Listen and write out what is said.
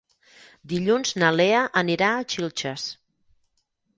Dilluns na Lea anirà a Xilxes.